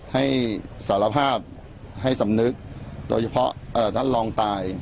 ให้สารภาพให้สำนึกโดยเฉพาะท่านรองตาย